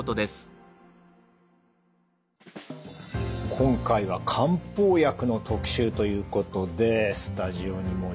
今回は漢方薬の特集ということでスタジオにもいろいろ並んでますね。